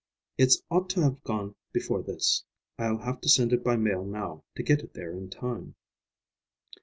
"It ought to have gone before this. I'll have to send it by mail now, to get it there in time."